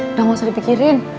udah gak usah dipikirin